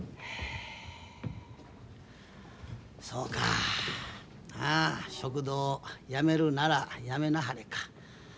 そうか食堂やめるならやめなはれか。